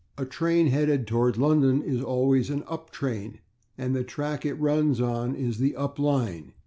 A train headed toward London is always an /up train/, and the track it runs on is the /up line